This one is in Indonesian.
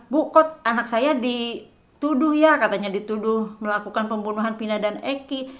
bu kok anak saya dituduh ya katanya dituduh melakukan pembunuhan pina dan eki